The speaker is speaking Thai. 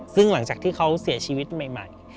ซึ่งหลังจากที่เขาเสียชีวิตใหม่